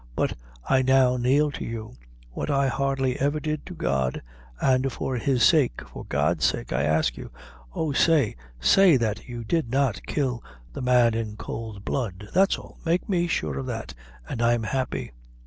But, I now kneel to you what I hardly ever did to God an for his sake, for God's sake, I ask you; oh say, say that you did not kill the man in cowld blood; that's all! Make me sure of that, and I'm happy."